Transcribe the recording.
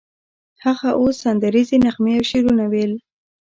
هغه اوس سندریزې نغمې او شعرونه ویل